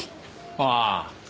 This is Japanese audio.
ああ。